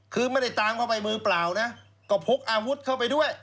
คือไม่ได้ตามเข้าไปมือเปล่านะก็พกอาวุธเข้าไปด้วย